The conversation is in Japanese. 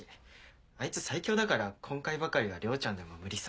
あいつ最強だから今回ばかりは涼ちゃんでも無理さ。